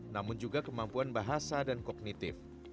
namun juga kemampuan bahasa dan kognitif